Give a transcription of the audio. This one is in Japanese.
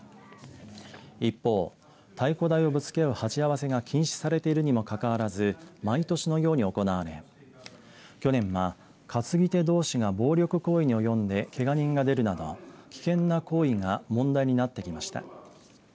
一方、太鼓台をぶつけ合う鉢合わせが禁止されているにもかかわらず毎年のように行われ去年は担ぎ手どうしが暴力行為におよんでけが人が出るなど危険な行為が問題になってきました。